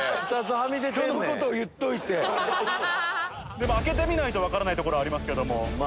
でも開けてみないと分からないですけども。